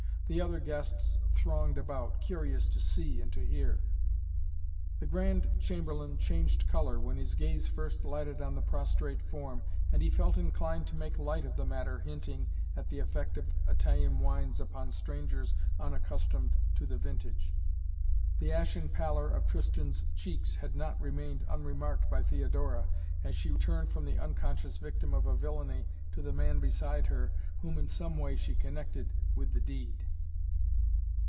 The other guests thronged about, curious to see and to hear. The Grand Chamberlain changed color when his gaze first lighted on the prostrate form and he felt inclined to make light of the matter hinting at the effect of Italian wines upon strangers unaccustomed to the vintage. The ashen pallor of Tristan's cheeks had not remained unremarked by Theodora, as she turned from the unconscious victim of a villainy to the man beside her, whom in some way she connected with the deed.